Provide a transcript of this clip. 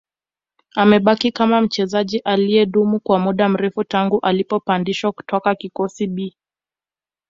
Amebaki kama mchezaji aliyedumu kwa muda mrefu tangu alipopandishwa kutokea kikosi B